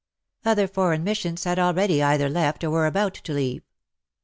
Other foreign missions had already either left or were about to leave.